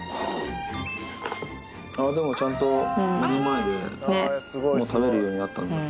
あっ、でもちゃんと、目の前でもう食べるようになったんだ。